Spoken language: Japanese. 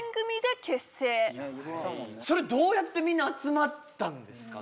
それどうやってみんな集まったんですか？